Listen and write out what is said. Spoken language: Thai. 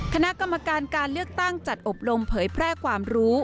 คณะกรรมการการเลือกตั้งจัดอบรมเผยแพร่ความรู้